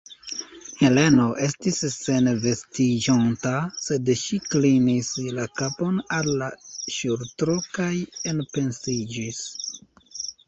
Heleno estis senvestiĝonta, sed ŝi klinis la kapon al la ŝultro kaj enpensiĝis.